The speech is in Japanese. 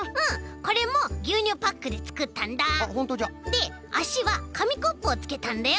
であしはかみコップをつけたんだよ。